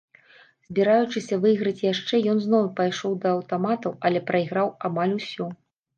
Збіраючыся выйграць яшчэ, ён зноў пайшоў да аўтаматаў, але прайграў амаль усё.